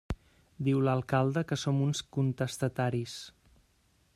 Diu l'alcalde que som uns contestataris.